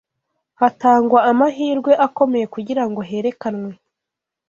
hatangwa amahirwe akomeye kugira ngo herekanwe